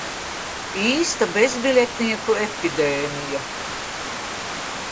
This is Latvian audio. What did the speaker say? Īsta bezbiļetnieku epidēmija...